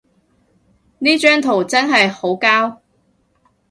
呢張圖真係好膠